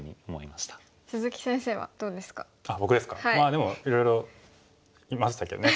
まあでもいろいろいましたけどね。